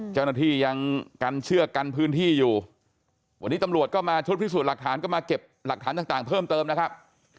เจ้าหน้าที่ยังกันเชือกกันพื้นที่อยู่วันนี้ตำรวจก็มาชุดพิสูจน์หลักฐานก็มาเก็บหลักฐานต่างเพิ่มเติมนะครับ